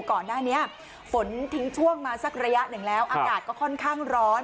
ก่อนหน้านี้ฝนทิ้งช่วงมาสักระยะหนึ่งแล้วอากาศก็ค่อนข้างร้อน